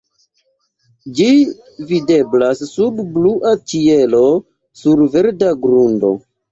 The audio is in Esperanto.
Ĝi videblas sub blua ĉielo sur verda grundo.